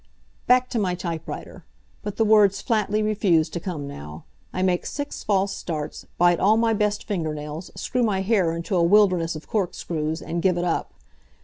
Back to my typewriter. But the words flatly refuse to come now. I make six false starts, bite all my best finger nails, screw my hair into a wilderness of cork screws and give it up.